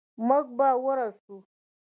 موږ به ورسو.